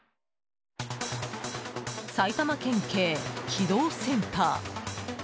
埼玉県警機動センター。